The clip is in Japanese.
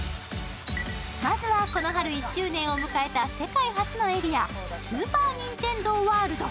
まずは、この春１周年を迎えた世界初のエリア、スーパー・ニンテンドー・ワールド。